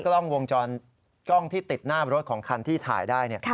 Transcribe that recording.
กล้องที่ติดหน้ารถของคันที่ถ่ายได้